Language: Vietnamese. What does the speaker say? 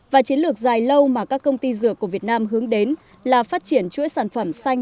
và chiến lược dài lâu mà các công ty dược của việt nam hướng đến là phát triển chuỗi sản phẩm xanh